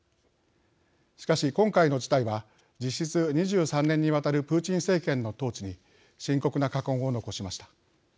しかし、今回の事態は実質２３年にわたるプーチン政権の統治に深刻な禍根を残しました。